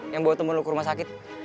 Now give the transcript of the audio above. yang bawa teman lu ke rumah sakit